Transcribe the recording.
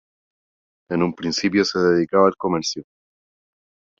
En un principio se dedicaba al comercio.